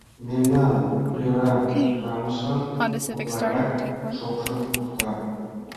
Мемнан тӧра-шамычлан утларак шокшым пурта.